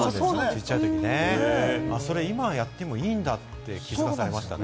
ちっちゃい時ね、今やってもいいんだって気づかされましたね。